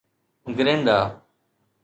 Grenada